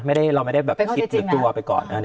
เราไม่ได้คิดตัวไปก่อน